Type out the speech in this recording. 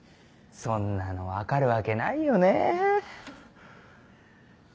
そんなの分かるわけないよねぇ。